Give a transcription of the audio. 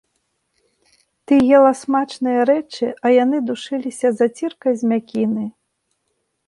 Ты ела смачныя рэчы, а яны душыліся заціркай з мякіны?